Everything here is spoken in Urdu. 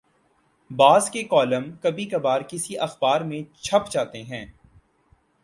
بعض کے کالم کبھی کبھارکسی اخبار میں چھپ جاتے ہیں۔